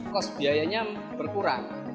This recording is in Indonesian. kos biayanya berkurang